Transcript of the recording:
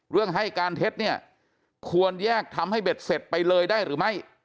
เรื่องให้การเท็จควรแยกทำให้เบ็ดเสร็จไปเลยได้หรือไม่